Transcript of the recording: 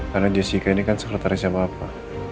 karena jessica ini kan sekretaris siapa apa